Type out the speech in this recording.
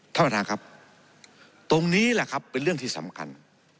ท่านประธานครับตรงนี้แหละครับเป็นเรื่องที่สำคัญ